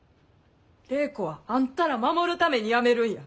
礼子はあんたら守るためにやめるんや。